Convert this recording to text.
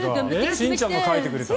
しんちゃんが描いてくれた。